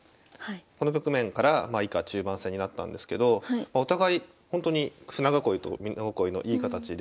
この局面から以下中盤戦になったんですけどお互いほんとに舟囲いと美濃囲いのいい形で。